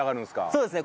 そうですね。